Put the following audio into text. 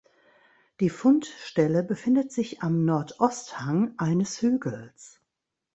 Die Fundstelle befindet sich am Nordosthang eines Hügels.